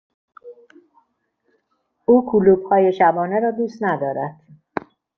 او کلوپ های شبانه را دوست ندارد.